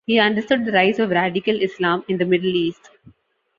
He understood the rise of radical Islam in the Middle East.